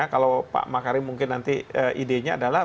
kalau pak makarim mungkin nanti idenya adalah